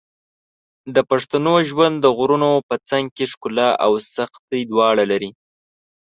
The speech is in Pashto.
د پښتنو ژوند د غرونو په څنګ کې ښکلا او سختۍ دواړه لري.